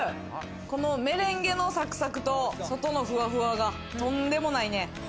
メレンゲのサクサクと、外のふわふわがとんでもないね。